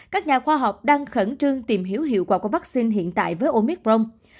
các nhà khoa học đang khẩn trương tìm hiểu hiệu quả của vaccine hiện tại với omicron